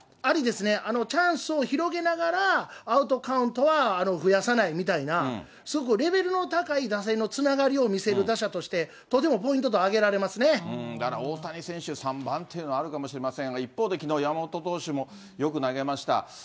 チャンスを広げながら、アウトカウントは増やさないみたいな、すごくレベルの高い打線のつながりを見せる打者として、だから、大谷選手、３番というのはあるかもしれませんが、一方できのう、山本投手もよく投げました。